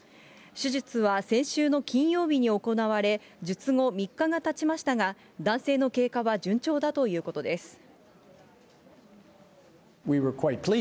手術は先週の金曜日に行われ、術後３日がたちましたが、男性の経過は順調だということです。